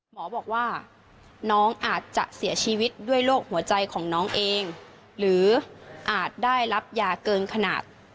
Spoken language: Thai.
หมอบอกว่าน้องอาจจะเสียชีวิตด้วยโรคหัวใจของน้องเองหรืออาจได้รับยาเกินขนาด